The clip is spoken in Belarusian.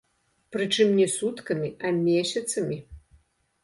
Прычым не суткамі, а месяцамі.